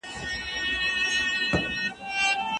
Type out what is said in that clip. د ساعت قيمت ټاکل کېږي.